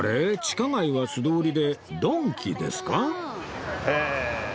地下街は素通りでドンキですか？